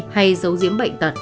hay dấu diễm bệnh tật